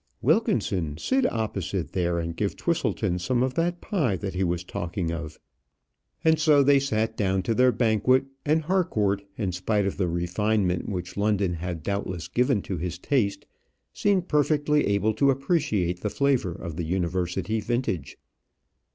Wilkinson, sit opposite there and give Twisleton some of that pie that he was talking of." And so they sat down to their banquet; and Harcourt, in spite of the refinement which London had doubtless given to his taste, seemed perfectly able to appreciate the flavour of the University vintage.